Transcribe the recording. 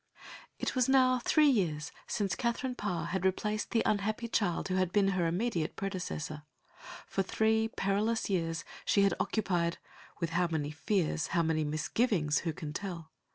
It was now three years since Katherine Parr had replaced the unhappy child who had been her immediate predecessor. For three perilous years she had occupied with how many fears, how many misgivings, who can tell?